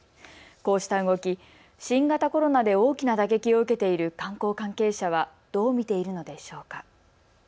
こうした動き、新型コロナで大きな打撃を受けている観光関係者はどう見ているのでしょうか。